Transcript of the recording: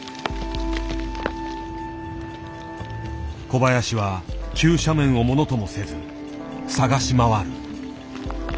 小林は急斜面をものともせず探し回る。